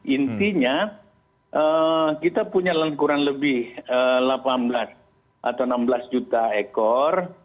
intinya kita punya kurang lebih delapan belas atau enam belas juta ekor